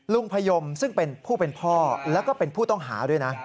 พยมซึ่งเป็นผู้เป็นพ่อแล้วก็เป็นผู้ต้องหาด้วยนะ